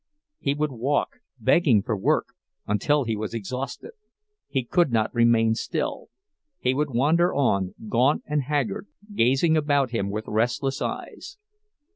He would walk, begging for work, until he was exhausted; he could not remain still—he would wander on, gaunt and haggard, gazing about him with restless eyes.